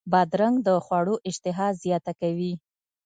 بادرنګ د خوړو اشتها زیاته کوي.